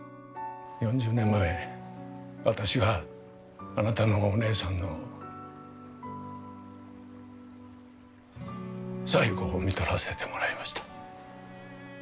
４０年前私があなたのお姉さんの最期をみとらせてもらいました。